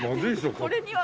これには。